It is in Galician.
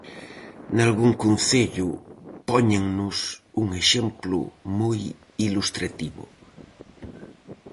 Nalgún concello póñennos un exemplo moi ilustrativo.